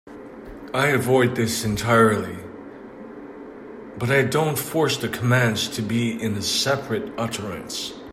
I avoid this entirely, but I don't force the commands to be in a separate utterance.